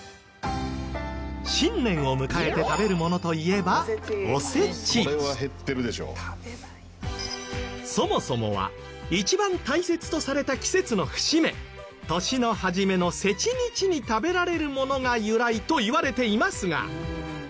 新年を迎えて食べるものといえばそもそもは一番大切とされた季節の節目年の始めの節日に食べられるものが由来といわれていますが。